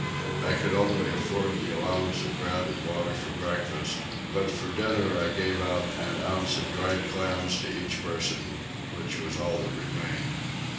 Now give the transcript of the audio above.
I could only afford the allowance of bread and water for breakfast, but for dinner I gave out an ounce of dried clams to each person, which was all that remained.